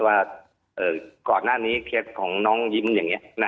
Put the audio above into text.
ว่าก่อนหน้านี้เคสของน้องยิ้มอย่างนี้